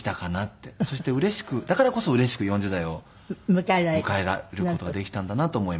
そしてうれしくだからこそうれしく４０代を迎える事ができたんだなと思います。